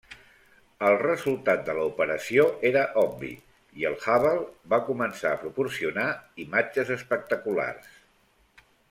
El resultat de l'operació era obvi, i el Hubble va començar a proporcionar imatges espectaculars.